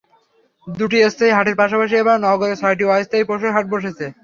দুটি স্থায়ী হাটের পাশাপাশি এবার নগরে ছয়টি অস্থায়ী পশুর হাট বসেছে।